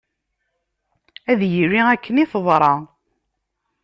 Ad yili akken i teḍra.